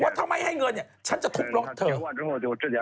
ว่าทำไมให้เงินฉันจะทุกรถเถอะ